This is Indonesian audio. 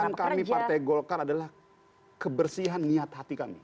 tujuan kami partai golkar adalah kebersihan niat hati kami